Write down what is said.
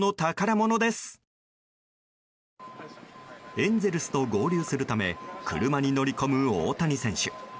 エンゼルスと合流するため車に乗り込む大谷選手。